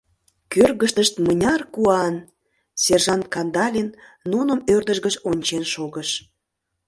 Кӧргыштышт мыняр куан!» — Сержант Кандалин нуным ӧрдыж гыч ончен шогыш.